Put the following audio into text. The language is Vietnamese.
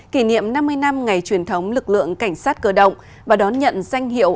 kỷ niệm năm mươi năm ngày truyền thống lực lượng cảnh sát cơ động và đón nhận danh hiệu